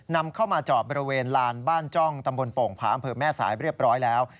นำเข้ามาจอดบริเวณลานบ้านจ้องตำบลโป่งผาอำเภอแม่สายเรียบร้อยแล้ว